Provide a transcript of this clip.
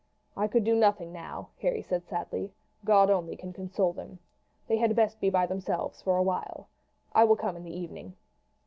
"I could do nothing now," Harry said sadly. "God only can console them. They had best be by themselves for awhile. I will come in this evening.